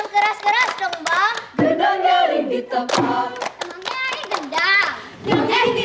gara pengantin disurnati